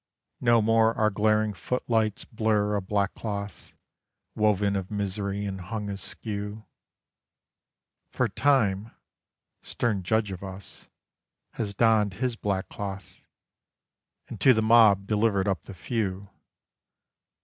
No more our glaring footlights blurr a back cloth Woven of misery and hung askew; For Time, stern judge of Us, has donned his black cloth, And to the Mob delivered up the Few